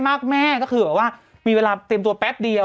นางหนุ่มมองข้างหลังอีกแล้วเนี่ย